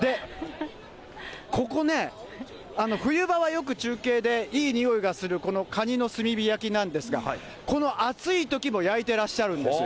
ここね、冬場はよく中継でいい匂いがする、このかにの炭火焼きなんですが、この暑いときも焼いてらっしゃるんですよ。